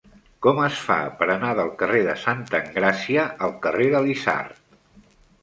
Com es fa per anar del carrer de Santa Engràcia al carrer de l'Isard?